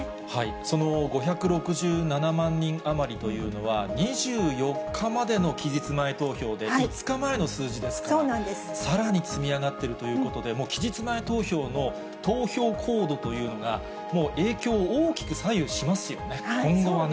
その５６７万人余りというのは、２４日までの期日前投票で、５日前の数字ですから、さらに積み上がっているということで、期日前投票の投票行動というのが、もう影響を大きく左右しますよね、今後はね。